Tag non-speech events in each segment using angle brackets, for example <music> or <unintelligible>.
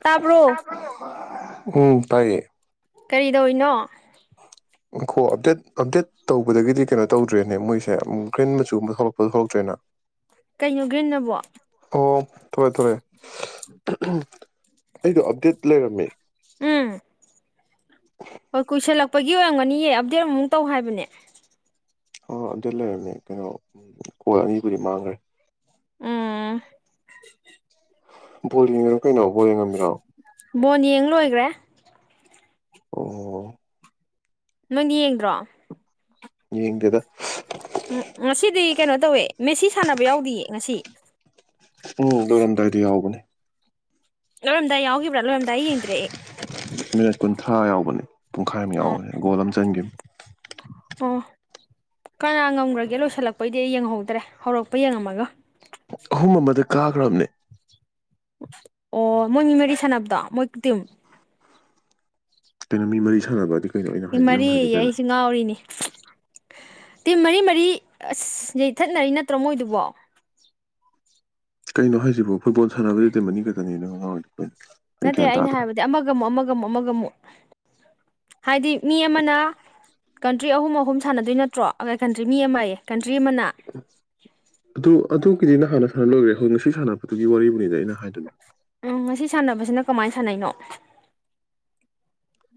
ꯇꯥꯕ꯭ꯔꯣ ꯎꯝ ꯇꯥꯏꯌꯦ ꯀꯔꯤꯗꯧꯔꯤꯅꯣ ꯉꯥꯈꯣ ꯑꯞꯗꯦꯠ ꯑꯞꯗꯦꯠ ꯇꯧꯕꯗꯒꯤꯗꯤ ꯀꯩꯅꯣ ꯇꯧꯗ꯭ꯔꯦꯅꯦ ꯃꯣꯏꯁꯦ ꯎꯝ ꯒ꯭ꯔꯤꯟ ꯃꯆꯨꯒꯨꯝꯕ ꯊꯣꯛꯂꯛꯄꯗ ꯊꯣꯛꯂꯛꯇ꯭ꯔꯦꯅ <inaudible> ꯀꯩꯅꯣ ꯒ꯭ꯔꯤꯟ ꯑꯕꯣ ꯑꯣ ꯊꯣꯛꯂꯦ ꯊꯣꯛꯂꯦ ꯑꯩꯗꯣ ꯑꯞꯗꯦꯠ ꯂꯩꯔꯝꯃꯦ ꯎꯝ ꯍꯣꯏ ꯀꯨꯏꯁꯜꯂꯛꯄꯒꯤ ꯑꯣꯏꯔꯝꯒꯅꯤꯌꯦ ꯑꯞꯗꯦꯠ ꯑꯃꯨꯛ ꯃꯨ ꯇꯧ ꯍꯥꯏꯕꯅꯦ ꯑꯣ ꯑꯗꯨ ꯂꯩꯔꯝꯃꯦ ꯀꯩꯅꯣ ꯀꯣꯜ ꯑꯅꯤꯕꯨꯗꯤ ꯃꯥꯡꯒ꯭ꯔꯦ ꯎꯝ ꯕꯣꯜ ꯌꯦꯡꯉꯤꯔꯣ ꯀꯩꯅꯣ ꯕꯣꯜ ꯌꯦꯡꯉꯝꯃꯤꯔꯣ ꯕꯣꯟ ꯌꯦꯡ ꯂꯣꯏꯒ꯭ꯔꯦ ꯑꯣ ꯅꯣꯏꯅꯤ ꯌꯦꯡꯗ꯭ꯔꯣ ꯌꯦꯡꯗꯦꯗ ꯎꯝ ꯉꯁꯤꯗꯤ ꯀꯩꯅꯣ ꯇꯧꯋꯦ ꯃꯦꯁꯤ ꯁꯥꯟꯅꯕ ꯌꯥꯎꯗꯤꯌꯦ ꯉꯁꯤ ꯎꯝ ꯂꯣꯏꯔꯝꯗꯥꯏꯗ ꯌꯥꯎꯕꯅꯦ ꯂꯣꯢꯔꯝꯗꯥꯏ ꯌꯥꯎꯒꯤꯕ꯭ꯔ ꯂꯣꯢꯔꯝꯗꯥꯢ ꯌꯦꯡꯗ꯭ꯔꯦ ꯑꯩ ꯃꯤꯅꯠ ꯀꯨꯟꯊ꯭ꯔꯥ ꯌꯥꯎꯕꯅꯦ ꯄꯨꯡꯈꯥꯏ ꯑꯃ ꯑꯣ ꯌꯥꯎꯕꯅꯦ ꯒꯣꯜ ꯑꯃ ꯆꯟꯈꯤꯕꯅꯦ ꯑꯣ ꯀꯅꯥ ꯉꯝꯈ꯭ꯔꯒꯦ ꯂꯣꯏꯁꯤꯜꯂꯛꯄꯩꯗꯤ ꯑꯩ ꯌꯦꯡꯍꯧꯗ꯭ꯔꯦ ꯍꯧꯔꯛꯄ ꯌꯦꯡꯉꯝꯃꯒ ꯑꯍꯨꯝ ꯑꯃꯗ ꯀꯥꯈ꯭ꯔꯕꯅꯦ ꯑꯣ ꯃꯣꯏꯒꯤ ꯃꯔꯤ ꯁꯥꯟꯅꯕꯗꯣ ꯃꯣꯏ ꯇꯤꯝ ꯀꯩꯅꯣ ꯃꯤ ꯃꯔꯤ ꯁꯥꯟꯅꯕ ꯍꯥꯢꯗꯤ ꯑꯦ ꯃꯔꯤꯌꯦ ꯑꯩꯁꯦ ꯉꯥꯎꯔꯤꯅꯦ ꯇꯤꯝ ꯃꯔꯤ ꯃꯔꯤ ꯑꯁ ꯌꯩꯊꯠꯅꯔꯤ ꯅꯠꯇ꯭ꯔꯣ ꯃꯣꯏꯗꯨꯕꯣ ꯀꯩꯅꯣ ꯍꯥꯏꯁꯤꯕꯨ ꯐꯨꯠꯕꯣꯜ ꯁꯥꯟꯅꯕꯗꯤ ꯇꯤꯝ ꯃꯅꯤ ꯈꯛꯇꯅꯤꯅ ꯅꯪ ꯉꯥꯎꯔꯤꯕꯨꯗꯨ ꯀꯩꯅꯣ ꯑꯩ ꯅꯠꯇꯦ ꯒ꯭ꯌꯥꯟ ꯑꯩꯅ ꯇꯥꯗ꯭ꯔꯦ ꯍꯥꯏꯕꯗꯤ ꯑꯃꯒ ꯑꯃꯨꯛ ꯑꯃꯒ ꯑꯃꯨꯛ ꯑꯃꯒ ꯑꯃꯨꯛ ꯍꯥꯏꯗꯤ ꯃꯤ ꯑꯃꯅ ꯀꯟꯇ꯭ꯔꯤ ꯑꯍꯨꯝ ꯑꯍꯨꯝ ꯁꯥꯟꯅꯗꯣꯏ ꯅꯠꯇ꯭ꯔꯣ ꯑꯩ ꯀꯟꯇ꯭ꯔꯤ ꯃꯤ ꯑꯃꯌꯦ ꯀꯟꯇ꯭ꯔꯤ ꯑꯃꯅ ꯑꯗꯨ ꯑꯗꯨꯒꯤꯗꯤ ꯅꯍꯥꯟꯅ ꯁꯥꯟꯅ ꯂꯣꯏꯈ꯭ꯔꯦ ꯑꯩꯈꯣꯏ ꯉꯁꯤ ꯁꯥꯟꯅꯕꯗꯨꯒꯤ ꯋꯥꯔꯤꯕꯨꯅꯤꯗ ꯑꯩꯅ ꯍꯥꯏꯗꯨꯅ ꯎꯝ ꯉꯁꯤ ꯁꯥꯟꯅꯕꯁꯤꯅ ꯀꯃꯥꯏꯅ ꯁꯥꯟꯅꯩꯅꯣ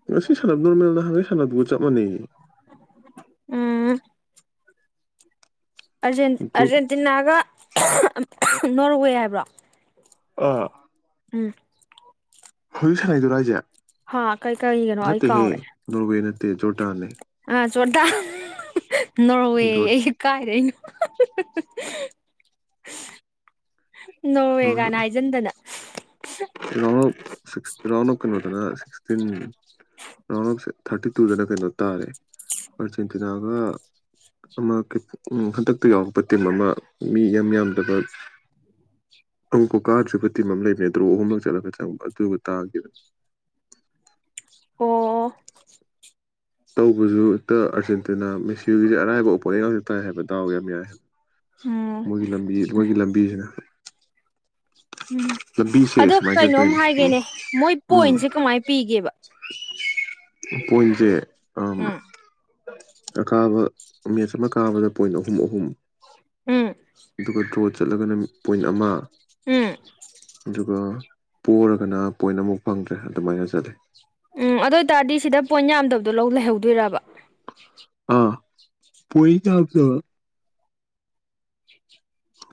ꯉꯁꯤ ꯁꯥꯟꯅꯕ ꯅꯣꯔꯃꯦꯜ ꯅꯍꯪꯉꯩ ꯁꯥꯟꯅꯕꯗꯨꯒ ꯆꯞ ꯃꯥꯟꯅꯩꯌꯦ ꯎꯝ ꯖ ꯒ꯭ꯔꯨꯞ ꯑꯔꯖꯦꯟꯇꯤꯅꯥꯒ ꯅꯣꯔꯋꯦ ꯍꯥꯏꯕ꯭ꯔꯣ ꯑꯥ ꯎꯝ ꯍꯧꯖꯤꯛ ꯁꯥꯟꯅꯩꯗꯨꯔꯣ ꯍꯥꯢꯖꯦ ꯍꯥ ꯀꯩ ꯀꯩꯒꯅꯣ ꯑꯩ ꯀꯥꯎ꯭ꯔꯦ ꯅꯣꯔꯋꯦ ꯅꯠꯇꯦ ꯖꯣꯔꯗꯥꯟꯅꯦ ꯑ ꯖꯣꯔꯗꯥꯜ ꯅꯣꯔꯋꯦ ꯖꯣꯔ ꯑꯩꯁꯦ ꯀꯥꯏꯗꯩꯅꯣ ꯅꯣꯔꯜ ꯍꯥꯢꯖꯤꯟꯗꯅ ꯔꯥꯎꯟ ꯑꯣꯞ ꯔꯥꯎꯟ ꯑꯣꯞ ꯀꯩꯅꯣꯗꯔ ꯁꯤꯛꯇꯤꯟ ꯔꯥꯎꯟ ꯑꯣꯞ ꯊꯥꯔꯇꯤ ꯇꯨꯗꯔ ꯀꯩꯅꯣ ꯇꯥꯔꯦ ꯑꯔꯖꯦꯟꯇꯤꯅꯥꯒ ꯑꯃ ꯍꯟꯗꯛꯇ ꯌꯥꯎꯔꯛꯄ ꯇꯤꯝ ꯑꯃ ꯃꯤ ꯢꯌꯥꯝ ꯌꯥꯝꯗꯕ ꯑꯪ ꯀꯣꯀꯥꯗꯕ ꯇꯤꯝ ꯑꯃ ꯂꯩꯌꯦ ꯗ꯭ꯔꯣ ꯑꯍꯨꯝꯂꯛ ꯆꯠꯂꯒ ꯆꯪꯕ ꯑꯗꯨꯒ ꯇꯥꯈꯤꯕ ꯑꯣ ꯇꯧꯕꯁꯨ ꯍꯦꯛꯇ ꯑꯔꯖꯦꯟꯇꯤꯅꯥ ꯃꯦꯁꯤ ꯗꯣꯢꯒꯤꯁꯦ ꯑꯔꯥꯏꯕ ꯑꯣꯄꯣꯅꯦꯟ ꯉꯥꯛꯇ ꯇꯥꯏ ꯍꯥꯏꯕ ꯗꯥꯎꯒ ꯌꯥꯝ ꯌꯥꯏ ꯍꯥꯏꯕ ꯎꯝ ꯃꯣꯏꯒꯤ ꯂꯝꯕꯤ ꯃꯣꯏꯒꯤ ꯂꯝꯕꯤꯁꯤꯅ ꯎꯝ ꯂꯝꯕꯤꯁꯦ ꯑꯗꯣ ꯁꯨꯃꯥꯏꯅ ꯀꯩꯅꯣꯝ ꯆꯠꯇꯣꯏꯅꯦ ꯎꯝ ꯍꯥꯏꯒꯦꯅꯦ ꯃꯣꯏ ꯄꯣꯏꯟꯁꯦ ꯀꯃꯥꯏꯅ ꯄꯤꯒꯦꯕ ꯄꯣꯢꯟꯁꯦ ꯎꯝ ꯑꯀꯥꯕ ꯃꯦꯠꯆ ꯑꯃ ꯀꯥꯕꯗ ꯄꯣꯏꯟ ꯑꯍꯨꯝ ꯑꯍꯨꯝ ꯎꯝ ꯑꯗꯨꯒ ꯗ꯭ꯔꯣ ꯆꯠꯂꯒꯅ ꯄꯣꯏꯟ ꯑꯃ ꯎꯝ ꯑꯗꯨꯒ ꯄꯣꯔꯒꯅ ꯄꯣꯏꯟ ꯑꯃꯨꯛ ꯐꯪꯗ꯭ꯔꯦ ꯑꯗꯨꯃꯥꯏꯅ ꯆꯠꯂꯤ ꯎꯝ ꯑꯗꯨ ꯑꯣꯏꯇꯥꯔꯗꯤ ꯁꯤꯗ ꯄꯣꯏꯟ ꯌꯥꯝꯗꯕꯗꯣ ꯂꯧ ꯂꯩꯍꯧꯗꯣꯏꯔꯕ ꯑꯥ ꯄꯣꯏꯟ ꯌꯥꯝꯗꯕ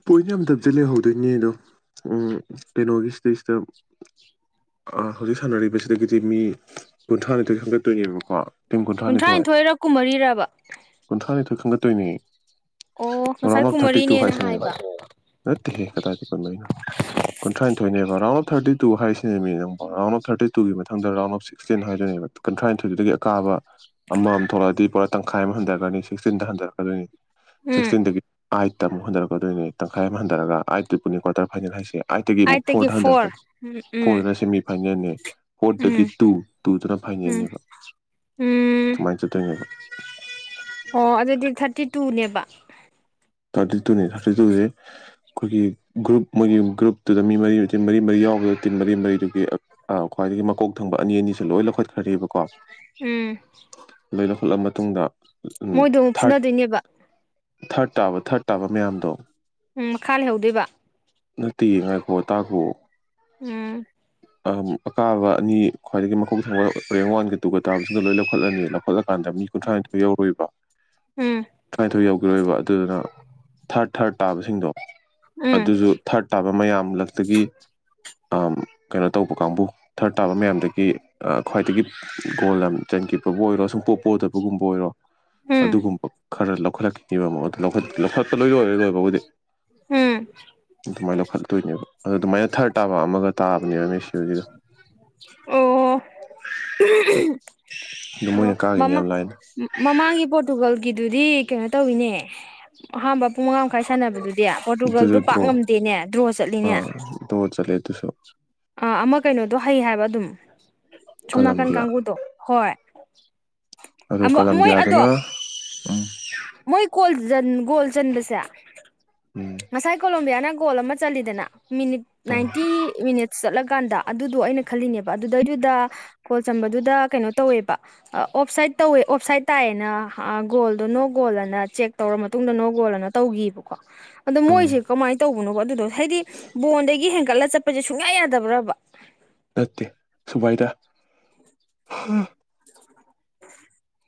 ꯄꯣꯏꯟ ꯌꯥꯝ ꯗꯕꯁꯦ ꯂꯩꯍꯧꯗꯣꯏꯅꯦ ꯑꯗꯣ ꯀꯩꯅꯣꯒꯤ ꯁꯤꯗꯩꯁꯤꯗ ꯍꯧꯖꯤꯛ ꯁꯥꯟꯅꯔꯤꯕꯁꯤꯗꯒꯤꯗꯤ ꯃꯤ ꯀꯨꯟꯊ꯭ꯔꯥꯅꯤꯊꯣꯏ ꯈꯟꯒꯠꯇꯣꯏꯅꯦꯕꯀꯣ ꯇꯤꯝ ꯀꯨꯟꯊꯔ꯭ꯥꯅꯤꯊꯣꯏ ꯀꯨꯟꯊ꯭ꯔꯥꯅꯤꯊꯣꯏꯔ ꯀꯨꯝꯃꯔꯤꯔꯕ ꯀꯨꯟꯊꯔ꯭ꯥꯅꯤꯊꯣꯏ ꯈꯟꯒꯠꯇꯣꯏꯅꯦ ꯑꯣ ꯔꯥꯎꯟ ꯉꯁꯥꯏ ꯑꯣꯐ ꯊꯔꯇꯤ ꯇꯨ ꯀꯨꯝꯃꯔꯤꯅꯦꯅ ꯍꯥꯏꯁꯤꯅꯦꯕ ꯍꯥꯏꯕ ꯅꯠꯇꯦꯍꯦ ꯀꯗꯥꯏꯗꯩ ꯀꯨꯟ ꯃꯔꯤꯅꯣ ꯀꯨꯟꯊ꯭ꯔꯥꯟꯊꯣꯏꯅꯦꯕ ꯔꯥꯎꯟ ꯑꯣꯐ ꯊꯔꯇꯤ ꯇꯨ ꯍꯥꯏꯔꯤꯁꯤꯅꯦꯃꯤ ꯅꯪꯕꯨ ꯔꯥꯎꯟ ꯑꯣꯐ ꯊꯔꯇꯤ ꯇꯨꯒꯤ ꯃꯊꯪꯗ ꯔꯥꯎꯟ ꯑꯣꯐ ꯁꯇꯤꯟ ꯍꯥꯏꯗꯨꯏꯅꯦꯕ ꯀꯨꯟꯊ꯭ꯔꯥꯅꯤꯊꯣꯏꯗꯨꯗꯒꯤ ꯑꯀꯥꯕ ꯑꯃꯃꯝ ꯊꯣꯛꯂꯛꯑꯗꯤ ꯄꯨꯔꯥ ꯇꯪꯈꯥꯏ ꯑꯝ ꯍꯟꯒꯔ꯭ꯅꯤ ꯁꯤꯛꯁꯇꯤꯟꯗ ꯍꯟꯊꯔꯛꯀꯗꯣꯏꯅꯤ ꯎꯝ ꯁꯤꯛꯁꯇꯤꯟꯗꯒꯤ ꯑꯥꯏꯠꯇ ꯑꯃꯨꯛ ꯍꯟꯗꯔꯛꯀꯗꯣꯏꯅꯤ ꯇꯪꯈꯥꯏ ꯑꯃ ꯍꯟꯊꯔꯒ ꯑꯥꯏꯠꯇꯨꯕꯨꯅꯤ ꯀ꯭ꯋꯥꯔꯇꯔ ꯐꯥꯏꯅꯦꯜ ꯍꯥꯏꯁꯦ ꯑꯥꯏꯠꯇꯒꯤ ꯑꯃꯨꯛ ꯐꯣꯔꯗ ꯐꯣꯔ ꯍꯟꯊꯔꯛꯀꯅꯤ ꯎꯝ ꯐꯣꯔꯗꯅ ꯁꯦꯃꯤꯐꯥꯏꯅꯦꯜꯅꯦ ꯐꯣꯔꯗꯒꯤ ꯎꯝ ꯇꯨ ꯇꯨꯗꯨꯅ ꯎꯝ ꯎꯝ ꯐꯥꯏꯅꯦꯟꯅꯦꯕ ꯎꯝ ꯁꯨꯃꯥꯏꯅ ꯆꯠꯇꯣꯏꯅꯦꯕ ꯑꯣ ꯑꯗꯨꯗꯤ ꯊꯔꯇꯤ ꯇꯨꯅꯦꯕ ꯊꯔꯇꯤ ꯇꯨꯅꯦ ꯊꯥꯔꯇꯤ ꯇꯨꯖꯦ ꯑꯩꯈꯣꯏꯒꯤ ꯒ꯭ꯔꯨꯞ ꯃꯣꯏꯒꯤ ꯒ꯭ꯔꯨꯞꯇꯨꯗ ꯃꯤ ꯃꯔꯤ ꯑꯣꯢꯗꯤ ꯇꯤꯝ ꯃꯔꯤ ꯃꯔꯤ ꯌꯥꯎꯕꯗ ꯇꯤꯝ ꯃꯔꯤ ꯃꯔꯤꯗꯨꯒꯤ ꯑ ꯈ꯭ꯋꯥꯏꯗꯒꯤ ꯃꯀꯣꯛ ꯊꯪꯕ ꯑꯅꯤ ꯑꯅꯤꯁꯦ ꯂꯣꯏ ꯂꯧꯈꯠꯈ꯭ꯔꯦꯕ ꯎꯝ ꯂꯣꯏ ꯂꯧꯈꯠꯂꯕ ꯃꯇꯨꯡꯗ ꯃꯣꯏꯗꯣ ꯑꯃꯨꯛ ꯊꯥꯔꯠ ꯐꯨꯅꯗꯣꯏꯅꯦꯕ ꯊꯥꯔꯠ ꯇꯥꯕ ꯊꯥꯔꯠ ꯇꯥꯕ ꯃꯌꯥꯝꯗꯣ ꯎꯝ ꯃꯈꯥ ꯂꯩꯍꯧꯗꯣꯏꯕ ꯅꯠꯇꯤꯌꯦ ꯉꯥꯏꯈꯣ ꯇꯥꯈꯨꯑꯣ ꯎꯝ ꯑꯥꯥꯝ ꯑꯀꯥꯕ ꯑꯅꯤ ꯈ꯭ꯋꯥꯏꯗꯒꯤ ꯃꯈꯣꯛ ꯊꯪꯕ ꯔꯦꯡꯛ ꯋꯥꯟꯒ ꯇꯨꯒ ꯇꯥꯕꯁꯤꯡꯗꯣ ꯂꯣꯏ ꯂꯧꯈꯠꯂꯅꯤ ꯂꯧꯈꯠꯂ ꯀꯥꯟꯗ ꯃꯤ ꯀꯨꯟꯊ꯭ꯔꯥꯅꯤꯊꯣꯏ ꯌꯧꯔꯣꯏꯕ ꯎꯝ ꯀꯨꯟꯊ꯭ꯔꯥꯅꯤꯊꯣꯏ ꯌꯧ ꯂꯣꯏꯕ ꯑꯗꯨꯗꯨꯅ ꯊꯔꯠ ꯊꯔꯠ ꯇꯥꯕꯁꯤꯡꯗꯣ ꯎꯝ ꯑꯗꯨꯖꯨ ꯊꯔꯠ ꯇꯥꯕ ꯃꯌꯥꯝꯂꯛꯇꯒꯤ ꯑꯝ ꯀꯩꯅꯣ ꯇꯧꯕ ꯀꯥꯡꯕꯨ ꯊꯔꯠ ꯇꯥꯕ ꯃꯌꯥꯝꯗꯒꯤ ꯑ ꯈ꯭ꯋꯥꯏꯗꯒꯤ ꯒꯣꯜ ꯌꯥꯝ ꯆꯟꯈꯤꯕꯕꯨ ꯑꯣꯏꯔꯣ ꯁꯨꯡꯄꯣ ꯄꯣꯗꯕꯒꯨꯝꯕ ꯑꯣꯏꯔꯣ ꯎꯝ ꯑꯗꯨꯒꯨꯝꯕ ꯈꯔ ꯂꯧꯈꯠꯂꯛꯈꯤꯅꯦꯕ ꯑꯃꯨꯛ ꯑꯗꯨ ꯂꯧꯈꯠ ꯂꯧꯈꯠꯄ ꯂꯣꯏ ꯂꯣꯏꯔꯦ ꯂꯣꯏꯕꯕꯨꯗꯤ ꯎꯝ ꯑꯗꯨꯃꯥꯏꯅ ꯂꯧꯈꯠꯂꯛꯇꯣꯏꯅꯦꯕ ꯑꯗꯨ ꯑꯗꯨꯃꯥꯏꯅ ꯊꯥꯔꯠ ꯇꯥꯕ ꯑꯃꯒ ꯇꯥꯕꯅꯦꯕ ꯃꯦꯁꯤꯍꯣꯏꯒꯤꯗꯣ ꯑꯣ ꯑꯗꯨ ꯑꯣ ꯃꯣꯏꯅ ꯀꯥꯈꯤꯅꯤ ꯃꯃꯥ ꯌꯥꯝ ꯂꯥꯏꯅ ꯃꯃꯥꯡꯒꯤ ꯄꯣꯔꯇꯨꯒꯜꯒꯤꯗꯨꯗꯤ ꯀꯩꯅꯣ ꯇꯧꯋꯤꯅꯦ ꯑꯍꯥꯝꯕ ꯄꯨꯡ ꯃꯉꯥ ꯃꯈꯥꯏ ꯁꯥꯟꯅꯕꯗꯨꯗꯤ ꯄꯣꯔꯇꯨꯒꯜꯗꯣ ꯑꯗꯨꯁꯨ ꯄꯥꯛ ꯉꯝꯗꯦꯅꯦ ꯗ꯭ꯔꯣ ꯆꯠꯂꯤꯅꯦ ꯗꯣ ꯆꯠꯂꯦ ꯗꯨꯁꯨ ꯑ ꯑꯃ ꯀꯩꯅꯣꯗꯣ ꯍꯩ ꯍꯥꯏꯕ ꯑꯗꯨꯝ ꯁꯣꯝ ꯅꯥꯀꯟ ꯀꯂꯝꯕꯤꯌꯥ ꯀꯥꯡꯕꯨꯨꯗꯣ ꯍꯣꯏ ꯑꯗꯣ ꯑꯃ ꯃꯣꯏ ꯀꯂꯝꯕꯤꯌꯥꯗꯨꯅ ꯑꯗꯣ ꯎꯝ ꯃꯣꯏ ꯀꯣꯜꯖꯟ ꯒꯣꯜ ꯆꯟꯕꯁꯦ ꯎꯝ ꯉꯁꯥꯏ ꯀꯣꯂꯣꯝꯕꯤꯌꯥꯅ ꯒꯣꯜ ꯑꯃ ꯆꯜꯂꯤꯗꯅ ꯃꯤꯅꯤꯠ ꯅꯥꯏꯟꯇꯤ ꯃꯤꯅꯤꯠ ꯆꯠꯂꯀꯥꯟꯗ ꯑꯗꯨꯗꯣ ꯑꯩꯅ ꯈꯜꯂꯤꯅꯦꯕ ꯑꯗꯨꯗꯩꯗꯨꯗ ꯀꯣꯜ ꯆꯟꯕꯗꯨꯗ ꯀꯩꯅꯣ ꯇꯧꯋꯦꯕ ꯑ ꯑꯣꯞ ꯁꯥꯏꯠ ꯇꯧꯋꯦ ꯑꯣꯞ ꯁꯥꯏꯠ ꯇꯥꯏꯌꯦꯅ ꯑ ꯒꯣꯜꯗꯣ ꯅꯣ ꯒꯣꯜ ꯑꯅ ꯆꯦꯛ ꯇꯧꯔ ꯃꯇꯨꯡꯗ ꯅꯣꯒꯣꯜꯂꯅ ꯇꯧꯒꯤꯕꯀꯣ ꯑꯗꯣ ꯎꯝ ꯃꯣꯏꯖꯦ ꯀꯃꯥꯏꯅ ꯇꯧꯕꯅꯣꯕꯣ ꯑꯗꯨꯗꯣ ꯍꯥꯏꯗꯤ ꯕꯣꯟꯗꯒꯤ ꯍꯦꯟꯒꯠꯂ ꯆꯠꯄꯖꯦ ꯁꯨꯡꯌꯥ ꯌꯥꯗꯕ꯭ꯔꯕ ꯅꯠꯇꯦ ꯁꯨꯃꯥꯏꯗ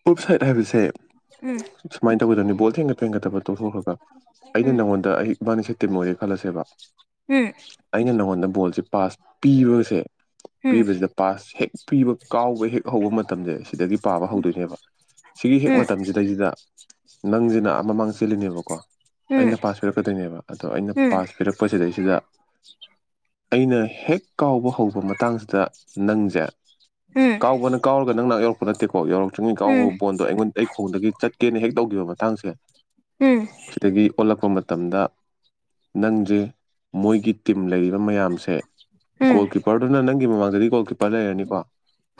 ꯑꯣꯞ ꯁꯥꯏꯠ ꯍꯥꯏꯕꯁꯦ ꯁꯨꯝ ꯁꯨꯃꯥꯏꯟ ꯇꯧꯒꯗꯕꯅꯦ ꯕꯣꯜ ꯊꯦꯡꯒꯗꯕ ꯇꯣꯛꯊꯣꯛꯈ꯭ꯔꯒ ꯑꯩꯅ ꯎꯝ ꯅꯪꯉꯣꯟꯗ ꯑꯩ ꯏꯕꯥꯅꯤꯁꯦ ꯇꯤꯝ ꯑꯣꯏꯔꯦ ꯈꯜꯂꯁꯦꯕ ꯎꯝ ꯑꯩꯅ ꯅꯉꯣꯟꯗ ꯕꯣꯜꯖꯦ ꯄꯥꯁ ꯄꯤꯕꯁꯦ ꯄꯤꯕꯖꯤꯗ ꯄꯥꯁ ꯍꯦꯛ ꯄꯤꯕ ꯀꯥꯎꯕ ꯍꯦꯛ ꯍꯧꯕ ꯃꯇꯝꯖꯦ ꯁꯤꯗꯒꯤ ꯄꯥꯕ ꯍꯧꯗꯣꯏ ꯑꯦꯕ ꯁꯤꯒꯤ ꯍꯦꯛ ꯎꯝ ꯃꯇꯝꯖꯤꯗꯩꯖꯤꯗ ꯅꯪꯖꯤꯅ ꯑ ꯃꯃꯥꯡꯗ ꯆꯦꯜꯂꯤꯅꯦꯕꯀꯣ ꯎꯝ ꯑꯩꯅ ꯄꯥꯁ ꯄꯤꯔꯛꯀꯗꯣꯏꯅꯦꯕ ꯑꯗꯣ ꯑꯩꯅ ꯎꯝ ꯄꯥꯁ ꯄꯤꯔꯛꯄ ꯁꯤꯗꯩꯁꯤꯗ ꯑꯩꯅ ꯍꯦꯛ ꯀꯥꯎꯕ ꯍꯧꯕ ꯃꯇꯥꯡꯁꯤꯗ ꯅꯪꯖꯦ ꯎꯝ ꯀꯥꯎꯕꯅ ꯀꯥꯎꯔꯒ ꯅꯪ ꯅꯥꯛꯨ ꯌꯧꯔꯛꯄ ꯅꯠꯇꯦꯀꯣ ꯌꯧꯔꯛꯄ ꯆꯤꯡꯌꯦꯡ ꯎꯝ ꯀꯥꯎꯕ ꯎꯝ ꯕꯣꯟꯗꯣ ꯑꯩꯉꯣꯟꯗ ꯑꯩ ꯈꯣꯡꯗꯒꯤ ꯆꯠꯀꯦꯅ ꯍꯦꯛ ꯇꯧꯒꯤꯕ ꯃꯇꯥꯡꯖꯦ ꯎꯝ ꯁꯤꯗꯒꯤ ꯑꯣꯜꯂꯛꯄ ꯃꯇꯝꯗ ꯅꯪꯖꯦ ꯃꯣꯏꯒꯤ ꯇꯤꯝ ꯂꯩꯔꯤꯕ ꯃꯌꯥꯝꯁꯦ ꯒꯣꯜ ꯎꯝ ꯀꯤꯞꯄꯔꯗꯨꯅ ꯅꯪꯒꯤ ꯃꯃꯥꯡꯗꯗꯤ ꯒꯣꯜ ꯀꯤꯞꯄꯔ ꯂꯩꯔꯅꯤꯀꯣ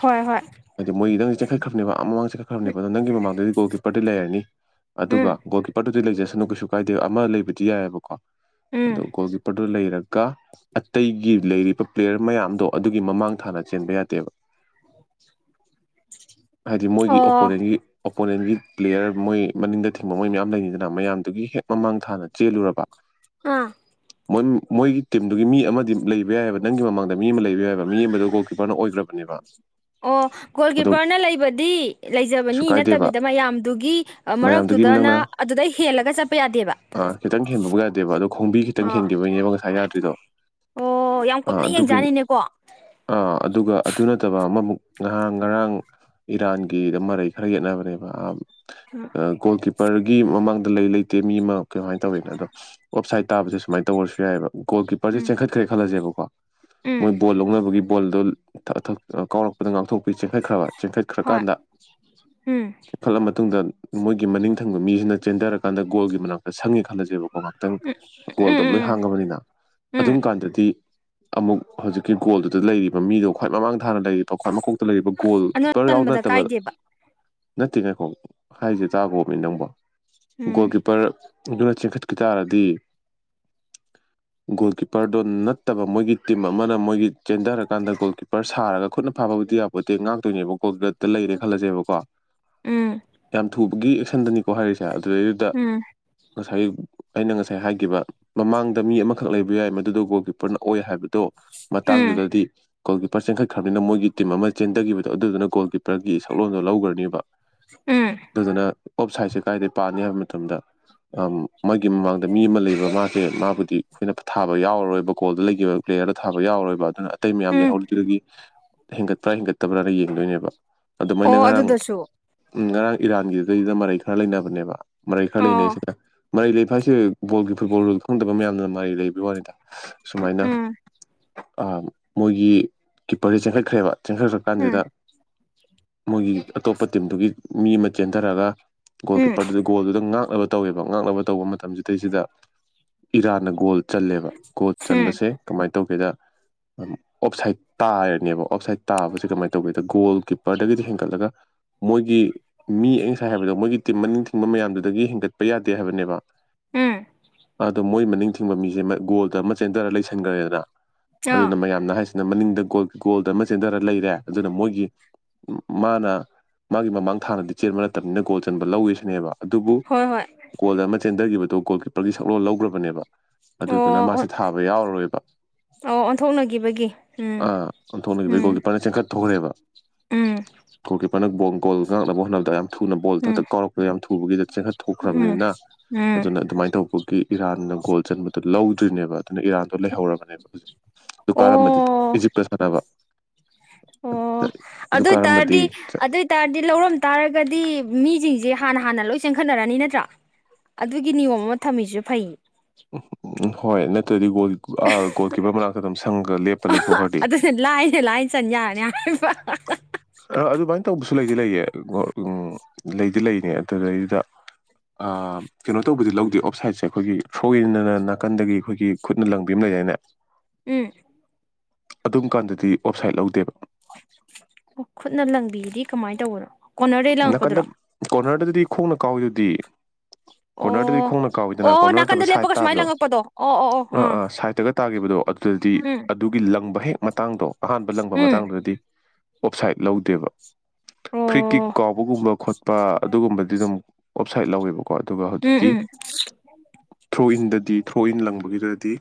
ꯍꯣꯏ ꯍꯣꯏ ꯑꯗꯤ ꯃꯣꯏꯗꯣ ꯆꯦꯡꯈꯠꯈ꯭ꯔꯕꯅꯦꯕ ꯑ ꯑꯃꯃꯥꯡ ꯆꯦꯡꯈꯠꯈ꯭ꯔꯕꯅꯦꯕ ꯑꯗꯣ ꯅꯪꯒꯤ ꯃꯃꯥꯡꯗꯗꯤ ꯒꯣꯜ ꯀꯤꯄꯔꯗꯤ ꯂꯩꯔꯅꯤ ꯎꯝ ꯑꯗꯨꯒ ꯒꯣꯜ ꯀꯤꯄꯔꯗꯨꯗꯤ ꯂꯩꯖꯁꯅꯨ ꯀꯩꯁꯨ ꯄꯥꯢꯗꯦ ꯑꯃ ꯂꯩꯕꯗꯤ ꯌꯥꯏꯑꯕꯀꯣ ꯎꯝ ꯑꯗꯣ ꯒꯣꯜ ꯀꯤꯞꯄꯔꯗꯨ ꯂꯩꯔꯒ ꯑꯇꯩꯒꯤ ꯂꯩꯔꯤꯕ ꯄ꯭ꯂꯦꯌꯔ ꯃꯌꯥꯝꯗꯣ ꯑꯗꯨꯒꯤ ꯃꯃꯥꯡ ꯊꯥꯅ ꯆꯦꯟꯕ ꯌꯥꯗꯦꯕ ꯍꯥꯏꯗꯤ ꯃꯣꯏꯒꯤ ꯑꯣ ꯑꯣꯄꯣꯅꯦꯟꯒꯤ ꯑꯣꯄꯣꯅꯦꯟꯒꯤ ꯄ꯭ꯂꯦꯌꯔ ꯃꯣꯏ ꯃꯅꯤꯡꯗ ꯊꯤꯡꯕ ꯃꯣꯏ ꯃꯌꯥꯝ ꯂꯩꯅꯤꯗꯅ ꯃꯌꯥꯝ ꯑꯗꯨꯒꯤ ꯍꯦꯛ ꯃꯃꯥꯡ ꯊꯥꯅ ꯆꯦꯜꯂꯨꯔꯕ ꯍꯥ ꯃꯣꯏ ꯃꯣꯏꯒꯤ ꯇꯤꯝꯗꯨꯒꯤ ꯃꯤ ꯑꯃꯗꯤ ꯂꯩꯕ ꯌꯥꯏꯑꯕ ꯅꯪꯒꯤ ꯃꯃꯥꯡꯗ ꯃꯤ ꯑꯃ ꯂꯩꯕ ꯌꯥꯏꯑꯕ ꯃꯤ ꯑꯃꯗꯨ ꯒꯣꯜꯀꯤ ꯑꯣ ꯒꯣꯜ ꯑꯗꯣ ꯀꯤꯞꯄꯔꯅ ꯂꯩꯕꯗꯤ ꯀꯩꯁꯨ ꯂꯩꯖꯕꯅꯤ ꯀꯥꯏꯗꯦꯕ ꯅꯠꯇꯕꯤꯗ ꯃꯌꯥꯝꯗꯨꯒꯤ ꯃꯌꯥꯝꯗꯨꯒꯤ ꯃꯔꯛꯇꯨꯗꯅ ꯅꯪꯅ ꯑꯗꯨꯗꯩ ꯍꯦꯜꯂꯒ ꯆꯠꯄ ꯌꯥꯗꯦꯕ ꯑꯥ ꯈꯤꯇꯪ ꯍꯦꯟꯕꯕꯨ ꯌꯥꯗꯦꯕ ꯑꯗꯣ ꯈꯣꯡꯕꯤ ꯈꯤꯇꯪ ꯑ ꯍꯦꯟꯈꯤꯕꯒꯤꯅꯦꯕ ꯉꯁꯥꯏ ꯌꯥꯗ꯭ꯔꯤꯗꯣ ꯑꯣ ꯌꯥꯝ ꯀꯨꯞꯅ ꯌꯦꯡꯖꯥꯠꯅꯤꯅꯦꯀꯣ ꯥ ꯑ ꯑꯗꯨꯒ ꯑꯗꯨ ꯅꯠꯇꯕ ꯑꯃꯃꯨꯛ ꯉꯍꯥꯡ ꯉꯔꯥꯡ ꯏꯔꯥꯟꯒꯤꯗ ꯃꯔꯩ ꯈꯔ ꯌꯦꯠꯅꯕꯅꯦꯕ ꯎꯝ ꯑ ꯒꯣꯜ ꯀꯤꯞꯄꯔꯒꯤ ꯃꯃꯥꯡꯗ ꯂꯩ ꯂꯩꯇꯦ ꯃꯤ ꯑꯃ ꯀꯃꯥꯏꯅ ꯇꯧꯋꯤꯅ ꯑꯗꯣ ꯑꯣꯞꯁꯥꯏꯠ ꯇꯥꯕꯖꯦ ꯁꯨꯃꯥꯏꯅ ꯇꯧꯔꯁꯨ ꯌꯥꯏꯑꯦꯕ ꯒꯣꯜ ꯀꯤꯄꯔꯖꯦ ꯎꯝ ꯆꯦꯟꯈꯠꯈ꯭ꯔꯦ ꯈꯜꯂꯖꯦꯕꯀꯣ ꯎꯝ ꯃꯣꯏ ꯕꯣꯜ ꯂꯧꯅꯕꯒꯤ ꯕꯜꯗꯨ ꯊꯑꯊ ꯀꯥꯎꯔꯛꯄꯗ ꯉꯥꯛꯊꯣꯛꯄꯤ ꯆꯦꯟꯈꯠꯈ꯭ꯔꯕ ꯆꯦꯟꯈꯠ ꯍꯣꯏ ꯎꯝ ꯆꯤꯡꯈꯠꯂ ꯃꯇꯨꯡꯗ ꯃꯣꯏꯒꯤ ꯃꯅꯤꯡ ꯊꯪꯕ ꯃꯤꯖꯤꯅ ꯆꯦꯟꯗꯔꯀꯥꯟꯗ ꯒꯣꯜꯒꯤ ꯃꯅꯥꯛꯇ ꯁꯪꯉꯦ ꯈꯜꯂꯖꯦꯕꯀꯣ ꯃꯥ ꯈꯤꯇꯪ ꯎꯝ ꯒꯣꯜꯗ ꯂꯣꯏ ꯎꯝ ꯍꯥꯡꯉꯕꯅꯤꯅ ꯎꯝ ꯑꯗꯨꯝ ꯎꯝ ꯀꯥꯟꯗꯗꯤ ꯑꯃꯨꯛ ꯍꯧꯖꯤꯛꯀꯤ ꯒꯣꯜꯗꯨꯗ ꯂꯩꯔꯤꯕ ꯃꯤꯗꯣ ꯈ꯭ꯋꯥꯏ ꯃꯃꯥꯡ ꯊꯅ ꯂꯩꯔꯤꯕ ꯈ꯭ꯋꯥꯏ ꯃꯈꯀꯣꯛꯇ ꯂꯩꯔꯤꯕ ꯒꯣꯜ ꯀꯤ ꯑꯗꯨ ꯄꯔ ꯌꯥꯎ ꯆꯟꯕꯗ ꯅꯠꯇꯕꯗ ꯀꯥꯏꯗꯦꯕ ꯅꯠꯇꯦ ꯉꯥꯏꯈꯣ ꯍꯥꯏꯖꯦ ꯇꯥꯒꯣꯕ ꯃꯤ ꯅꯪꯕꯣ ꯒꯣꯜ ꯎꯝ ꯀꯤꯞꯄꯔ ꯗꯨꯅ ꯆꯤꯡꯈꯠꯈꯤ ꯇꯥꯔꯗꯤ ꯒꯣꯜ ꯀꯤꯞꯄꯔꯗꯣ ꯅꯠꯇꯕ ꯃꯣꯏꯒꯤ ꯇꯤꯝ ꯑꯃꯅ ꯃꯣꯏꯒꯤ ꯆꯦꯟꯗꯔꯀꯥꯟꯗ ꯒꯣꯜ ꯀꯤꯄꯔ ꯁꯥꯔꯒ ꯈꯨꯠꯅ ꯐꯥꯕꯕꯨꯗꯤ ꯌꯥꯄꯣꯠꯇꯦ ꯉꯥꯛꯇꯣꯏꯅꯦꯕ ꯀꯣꯜꯒ꯭ꯔꯦꯠꯇ ꯂꯩꯔꯦ ꯎꯝ ꯈꯜꯂꯁꯦꯕꯀꯣ ꯎꯝ ꯌꯥꯝ ꯊꯨꯕꯒꯤ ꯑꯦꯛꯁꯟꯗꯅꯤ ꯀꯣ ꯍꯥꯏꯔꯤꯁꯦ ꯑꯗꯨꯗꯩꯗꯨꯗ ꯉꯁꯥꯏ ꯑꯩꯅ ꯉꯁꯥꯏ ꯍꯥꯏꯒꯤꯕ ꯃꯃꯥꯡꯗ ꯃꯤ ꯑꯃꯈꯛ ꯂꯩꯕ ꯌꯥꯏ ꯃꯗꯨꯗ ꯒꯣꯜ ꯀꯤꯞꯄꯔꯅ ꯑꯣꯏ ꯍꯥꯏꯕꯗꯣ ꯎꯝ ꯃꯇꯥꯡꯗꯨꯗꯗꯤ ꯒꯣꯜ ꯀꯤꯞꯄꯔ ꯆꯦꯟꯈꯠꯈ꯭ꯔꯕꯅꯤꯅ ꯃꯣꯏꯒꯤ ꯇꯤꯝ ꯑꯃ ꯆꯦꯟꯗꯒꯤꯕꯗꯣ ꯑꯗꯨꯗꯨꯅ ꯒꯣꯜ ꯀꯤꯞꯄꯔꯒꯤ ꯁꯛꯂꯣꯟꯗꯣ ꯂꯧꯒ꯭ꯔꯅꯤꯕ ꯎꯝ ꯑꯗꯨꯗꯨꯅ ꯑꯣꯞ ꯁꯥꯏꯠꯁꯦ ꯀꯥꯏꯗꯩ ꯄꯥꯅꯤ ꯍꯥꯏꯕ ꯃꯇꯝꯗ ꯑꯝ ꯃꯥꯒꯤ ꯃꯃꯥꯡꯗ ꯃꯤ ꯑꯃ ꯂꯩꯕ ꯃꯥꯁꯦ ꯃꯥꯕꯨꯗꯤ ꯑꯩꯈꯣꯏꯅ ꯄꯊꯥꯕ ꯌꯥꯎꯔꯔꯣꯏꯕ ꯒꯣꯜꯗ ꯂꯩꯈꯤꯕ ꯄ꯭ꯂꯦꯌꯔꯗꯣ ꯊꯥꯕ ꯌꯥꯎꯔꯣꯏꯕ ꯑꯗꯨꯅ ꯑꯇꯩ ꯃꯌꯥꯝ ꯎꯝ ꯂꯩꯍꯧꯔꯤꯗꯨꯗꯒꯤ ꯍꯦꯟꯒꯠꯄ꯭ꯔꯥ ꯍꯦꯟꯒꯠꯇꯕ꯭ꯔꯥꯅ ꯌꯦꯡꯗꯣꯏꯅꯦꯕ ꯑꯗꯨꯃꯥꯏꯅ ꯑꯣ ꯉꯔꯥꯡ ꯑꯗꯨꯗꯁꯨ ꯎꯝ ꯉꯔꯥꯡ ꯏꯔꯥꯟꯒꯤꯗꯨꯗꯩꯗꯨꯗ ꯃꯔꯩ ꯈꯔ ꯂꯩꯅꯕꯅꯦꯕ ꯃꯔꯩ ꯈꯔ ꯑꯣ ꯂꯩꯅꯩꯁꯤꯗ ꯃꯔꯩ ꯂꯩꯕꯁꯦ ꯕꯣꯜꯒꯤ ꯐꯨꯠꯕꯣꯜ ꯈꯪꯗꯕ ꯃꯌꯥꯝꯅ ꯃꯔꯩ ꯂꯩꯕ ꯋꯥꯅꯤꯗ ꯁꯨꯃꯥꯏꯅ ꯎꯝ ꯑ ꯃꯣꯏꯒꯤ ꯀꯤꯞꯄꯔꯁꯦ ꯆꯦꯟꯈꯠꯈ꯭ꯔꯦꯕ ꯆꯦꯟꯈꯠꯈ꯭ꯔ ꯀꯥꯟꯁꯤꯗ ꯎꯝ ꯃꯣꯏꯒꯤ ꯑꯇꯣꯞꯄ ꯇꯤꯝꯗꯨꯒꯤ ꯃꯤ ꯑꯃ ꯆꯦꯟꯊꯔꯒ ꯒꯣꯜ ꯎꯝ ꯀꯤꯞꯄꯔꯗꯨ ꯒꯣꯜꯗꯨꯗ ꯉꯥꯛꯅꯕ ꯇꯧꯋꯦꯕ ꯉꯥꯛꯅꯕ ꯇꯧꯕ ꯃꯇꯝꯁꯤꯗꯩꯁꯤꯗ ꯏꯔꯥꯟꯅ ꯒꯣꯜ ꯆꯜꯂꯦꯕ ꯒꯣꯜ ꯎꯝ ꯆꯟꯕꯁꯦ ꯀꯃꯥꯏꯅ ꯇꯧꯒꯦꯗ ꯑꯣꯞꯁꯥꯏꯠ ꯇꯥꯔꯅꯦꯕ ꯑꯣꯞꯁꯥꯏꯠ ꯇꯥꯕꯁꯤꯗ ꯀꯃꯥꯏꯅ ꯇꯧꯒꯦꯗ ꯒꯣꯜ ꯀꯤꯄꯥꯔꯗꯒꯤꯗꯤ ꯍꯦꯟꯒꯠꯂꯒ ꯃꯣꯏꯒꯤ ꯃꯤ ꯑꯩ ꯉꯁꯥꯏ ꯍꯥꯏꯕꯗꯣ ꯃꯣꯏꯒꯤ ꯇꯤꯝ ꯃꯅꯤꯡ ꯊꯤꯡꯕ ꯃꯌꯥꯝꯗꯨꯗꯒꯤ ꯍꯦꯟꯒꯠꯄ ꯌꯥꯗꯦ ꯍꯥꯏꯕꯅꯦꯕ ꯎꯝ ꯑꯗꯣ ꯃꯣꯏ ꯃꯅꯤꯡ ꯊꯤꯡꯕ ꯃꯤꯁꯦ ꯒꯣꯜꯗ ꯑꯃ ꯆꯦꯟꯗꯔ ꯂꯩꯁꯟꯈ꯭ꯔꯦꯗꯅ ꯑꯥ ꯑꯗꯨꯅ ꯃꯌꯥꯝꯅ ꯍꯥꯏꯁꯤꯅ ꯃꯅꯤꯡꯗ ꯒꯣꯜ ꯒꯣꯜꯗ ꯑꯃ ꯆꯦꯟꯊꯔ ꯂꯩꯔꯦ ꯑꯗꯨꯅ ꯃꯣꯏꯒꯤ ꯃꯥꯅ ꯃꯥꯒꯤ ꯃꯃꯥꯡ ꯊꯥꯅꯗꯤ ꯆꯦꯟꯕ ꯅꯠꯇꯕꯅꯤꯅ ꯒꯣꯜ ꯆꯟꯕ ꯂꯧꯏꯁꯤꯅꯦꯕ ꯑꯗꯨꯕꯨ ꯍꯣꯏ ꯍꯣꯏ ꯒꯣꯜ ꯑꯃ ꯆꯦꯟꯊꯒꯤꯕꯗꯣ ꯒꯣꯜ ꯀꯤꯞꯄꯔꯒꯤ ꯁꯛꯂꯣꯟ ꯂꯧꯈ꯭ꯔꯕꯅꯦꯕ ꯑꯗꯨꯗꯨꯅ ꯑꯣ ꯃꯥꯁꯦ ꯊꯥꯕ ꯌꯥꯎꯔꯔꯣꯏꯕ ꯑꯣ ꯑꯣꯟꯊꯣꯛꯅꯈꯤꯕꯒꯤ ꯎꯝ ꯑꯥ ꯑꯣꯟꯊꯣꯛꯅꯒꯤꯕꯩ ꯎꯝ ꯒꯣꯜ ꯀꯤꯞꯄꯔ ꯆꯦꯟꯈꯠ ꯊꯣꯛꯈ꯭ꯔꯦꯕ ꯎꯝ ꯒꯣꯜ ꯀꯤꯞꯄꯔꯅ ꯕꯣꯜ ꯀꯣꯜ ꯉꯥꯡꯅꯕ ꯍꯣꯠꯅꯕꯗ ꯊꯨꯅ ꯕꯣꯜ ꯊꯛ ꯎꯝ ꯊꯛ ꯀꯥꯎꯔꯛꯄꯗ ꯌꯥꯝ ꯊꯨꯕꯒꯤꯗ ꯎꯝ ꯆꯦꯟꯈꯠꯊꯣꯛꯈ꯭ꯔꯕꯅꯤꯅ ꯎꯝ ꯑꯗꯨꯅ ꯑꯗꯨꯃꯥꯏꯅ ꯇꯧꯕ ꯏꯔꯥꯟꯅ ꯒꯣꯜ ꯆꯟꯕꯗꯣ ꯂꯧꯗ꯭ꯔꯤꯅꯦꯕ ꯑꯗꯨꯅ ꯏꯔꯥꯟꯗꯣ ꯂꯩꯍꯧꯔꯕꯅꯦꯕ ꯍꯧꯖꯤꯛ ꯗꯨ ꯀꯥꯔꯝꯃꯗꯤ ꯑꯣ ꯏꯖꯤꯞꯀ ꯁꯥꯟꯅꯕ <inaudible> ꯑꯣ ꯑꯗꯨ ꯑꯣꯏ ꯀꯥꯔꯝꯃꯗꯤ ꯇꯥꯔꯗꯤ ꯑꯗꯨ ꯑꯣꯏꯇꯥꯔꯗꯤ ꯂꯧꯔꯝ ꯇꯥꯔꯒꯗꯤ ꯃꯤꯁꯤꯡꯁꯦ ꯍꯥꯟꯅ ꯍꯥꯟꯅ ꯂꯣꯏ ꯆꯦꯟꯈꯠꯅꯔꯅꯤ ꯅꯠꯇ꯭ꯔꯥ ꯑꯗꯨꯒꯤ ꯅꯤꯌꯣꯝ ꯑꯃ ꯊꯝꯃꯤꯁꯨ ꯐꯩ ꯎꯝ ꯎꯝ ꯍꯣꯏ ꯅꯠꯇ꯭ꯔꯗꯤ ꯒꯣꯜ ꯑ ꯒꯣꯜ ꯀꯤꯞꯄꯔ ꯃꯅꯥꯛꯇ ꯑꯗꯨꯝ ꯁꯪꯉ ꯂꯦꯞꯄ ꯂꯩꯊꯣꯛꯈ꯭ꯔꯗꯤ ꯑꯗꯨꯅ ꯂꯥꯏꯅ ꯂꯥꯏꯅ ꯆꯟ ꯌꯥꯔꯅꯤ ꯍꯥꯏꯕ ꯑꯗꯨꯃꯥꯏꯅ ꯇꯧꯕꯁꯨ ꯂꯩꯗꯤ ꯂꯩꯌꯦ ꯎꯝ ꯂꯩꯗꯤ ꯂꯩꯅꯤ ꯑꯗꯨꯗꯩꯗꯨꯗ ꯑꯝ ꯀꯩꯅꯣ ꯇꯧꯕꯗꯤ ꯂꯧꯗꯦ ꯑꯣꯞꯁꯥꯏꯠꯁꯦ ꯑꯩꯈꯣꯏꯒꯤ ꯁꯣꯏꯗꯅ ꯅꯥꯀꯟꯗꯒꯤ ꯑꯩꯈꯣꯏꯒꯤ ꯈꯨꯠꯅ ꯂꯪꯕꯤ ꯑꯃ ꯂꯩꯗꯥꯏꯅꯦ <inaudible> ꯎꯝ ꯑꯗꯨꯝ ꯀꯥꯟꯗꯗꯤ ꯑꯣꯞꯁꯥꯏꯠ ꯂꯧꯗꯦꯕ ꯑꯣ ꯈꯨꯠꯅ ꯂꯪꯕꯤꯗꯤ ꯀꯃꯥꯏ ꯇꯧꯕꯅꯣ ꯀꯣꯟꯅꯔꯗꯩ ꯅꯥꯀꯟꯗ ꯂꯪꯉꯛꯄꯗꯨꯔꯣ ꯀꯣꯔꯅꯔꯗꯗꯤ ꯈꯣꯡꯅ ꯀꯥꯎꯋꯤꯗꯨꯗꯤ ꯀꯣꯔꯅꯔꯗꯗꯤ ꯑꯣ ꯈꯣꯡꯅ ꯀꯥꯎꯋꯤꯗꯅ ꯑꯣ ꯀꯣꯔꯅꯔ ꯅꯠꯇꯕ ꯅꯥꯀꯟꯗ ꯁꯥꯏꯠ ꯂꯦꯞꯄꯒ ꯁꯨꯃꯥꯏꯅ ꯇꯥꯕꯗꯣ ꯂꯪꯉꯛꯄꯗꯣ ꯑꯣ ꯑꯣ ꯑꯣ ꯑꯥ ꯑꯥ ꯁꯥꯏꯠꯇꯒ ꯇꯥꯒꯤꯕꯗꯣ ꯑꯗꯨꯗꯗꯤ ꯎꯝ ꯑꯗꯨꯒꯤ ꯂꯪꯕ ꯍꯦꯛ ꯃꯇꯥꯡꯗꯣ ꯑꯍꯥꯟꯕ ꯂꯪꯕ ꯎꯝ ꯃꯇꯥꯡꯗꯨꯗꯗꯤ ꯑꯣꯞꯁꯥꯏꯠ ꯂꯧꯗꯦꯕ ꯐ꯭ꯔꯤꯀꯤꯛ ꯑꯣ ꯀꯥꯎꯕꯒꯨꯝꯕ ꯈꯣꯠꯄ ꯑꯗꯨꯒꯨꯝꯕꯗꯤ ꯑꯗꯨꯝ ꯑꯣꯞꯁꯥꯏꯠ ꯂꯧꯋꯦꯕꯀꯣ ꯑꯗꯨꯒ ꯎꯝ ꯍꯧꯖꯤꯛꯀꯤ ꯎꯝ ꯊ꯭ꯔꯣ ꯏꯟꯗꯗꯤ ꯊ꯭ꯔꯣ ꯏꯟ ꯂꯪꯕꯒꯤꯗꯨꯗꯗꯤ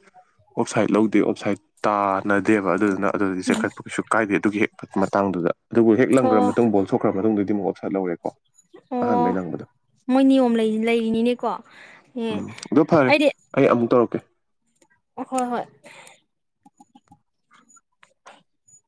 ꯑꯣꯞꯁꯥꯏꯠ ꯂꯧꯗꯦ ꯑꯣꯞꯁꯥꯏꯠ ꯇꯥ ꯅꯗꯦꯕ ꯑꯗꯨꯗꯨꯅ ꯑꯗꯨꯗꯤ ꯎꯝ ꯆꯦꯟꯈꯠꯄ ꯀꯩꯁꯨ ꯀꯥꯏꯗꯦ ꯑꯗꯨꯒꯤ ꯍꯦꯛ ꯃꯇꯥꯡꯗꯨꯗ ꯑꯗꯨꯕꯨ ꯍꯦꯛ ꯂꯪꯈ꯭ꯔ ꯑꯣ ꯃꯇꯨꯡ ꯕꯣꯜ ꯁꯣꯛꯈ꯭ꯔ ꯃꯇꯨꯡꯗꯗꯤ ꯑꯃꯨꯛ ꯑꯣꯞꯁꯥꯏꯠ ꯂꯧꯔꯦꯀꯣ ꯑꯣ ꯑꯍꯥꯟꯕꯩ ꯂꯪꯕꯗꯣ ꯃꯣꯏ ꯅꯤꯌꯣꯝ ꯂꯩ ꯂꯩꯔꯤꯅꯤꯅꯦꯀꯣ ꯎꯝ ꯑꯗꯣ <unintelligible> ꯐꯔꯦ ꯑꯩꯗꯤ ꯑꯩ ꯑꯃꯨꯛ ꯇꯧꯔꯛꯀꯦ ꯍꯣꯏ ꯍꯣꯏ